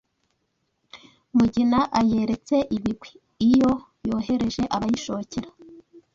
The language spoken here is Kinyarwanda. Mugina ayeretse ibigwi iyo yohereje abayishokera